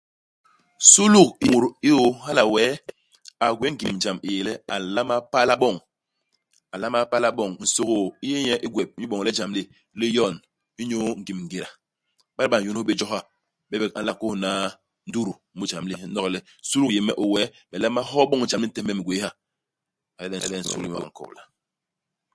Suluk i yé mut i ôô, hala wee, a gwéé ngim jam i yé le a nlama pala boñ. A nlama pala boñ. Nsôgôô u yé nye i gwep inyu boñ le ijam li li yon, inyu ngim ngéda. Iba le bo a n'yônôs bé jo ha, bebek a nla kôsna ndutu mu ijam li. U n'nok le suluk i yé me i ôô wee, me nlama hoo boñ ijam li u ntehe me me gwéé ha. Hala nyen suluk i ôô a nkobla.